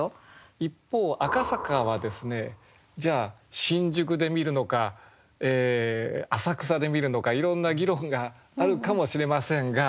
一方「赤坂」はですねじゃあ新宿で見るのか浅草で見るのかいろんな議論があるかもしれませんが。